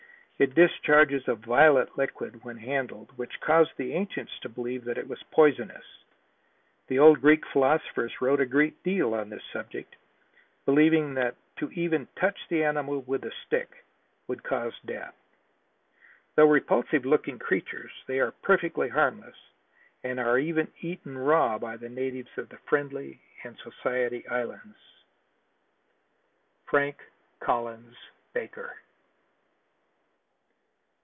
It discharges a violet liquid when handled which caused the ancients to believe that it was poisonous. The old Greek philosophers wrote a great deal on this subject, believing that to even touch the animal with a stick would cause death. Though repulsive looking creatures they are perfectly harmless and are even eaten raw by the natives of the Friendly and the Society Islands. Frank Collins Baker.